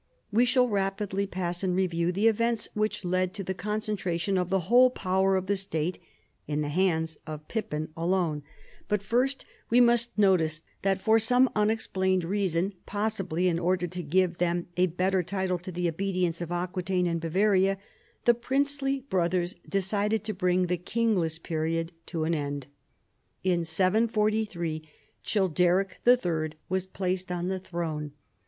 We shall rapidly pass in review the events which led to the concentration of the whole power of the State in tlie hands of Pippin alone, but first we must PIPPIN, KING OF THE FRANKS. 65 notice that for some unexplained reason, possibly in order to give them a better title to the obedience of Aquitaine and Bavaria, the princely brothers de cided to bring the kingless period to an end. In 743 Childeric III. was placed on the throne.